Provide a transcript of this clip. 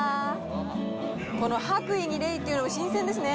この白衣にレイっていうのも新鮮ですね。